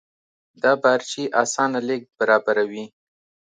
دا بارچي اسانه لېږد برابروي.